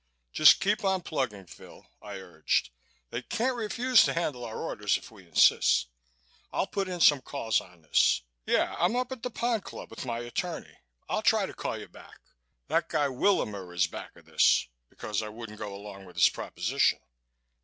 "Just keep on plugging, Phil," I urged. "They can't refuse to handle our orders if we insist. I'll put in some calls on this.... Yeah, I'm up at the Pond Club with my attorney ... I'll try to call you back. That guy Willamer is back of this because I wouldn't go along with his proposition."